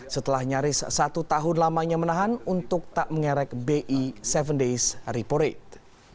setelah nyaris satu tahun lamanya menahan untuk tak mengerek bi tujuh days repo rate